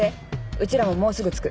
うちらももうすぐ着く。